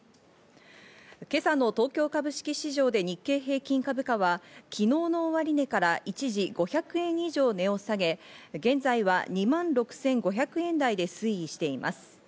今朝の東京株式市場で日経平均株価は昨日の終値から一時５００円以上値を下げ、現在は２万６５００円台で推移しています。